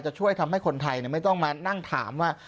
ช่วยทำให้คนไทยไม่ต้องมานั่งถามว่า